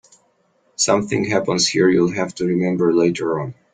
Something happens here you'll have to remember later on.